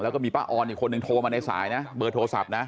และมีเมื่อป่าออนเพื่อนคนหนึ่งโทรมาในสายเบอร์โทรศัพท์นะ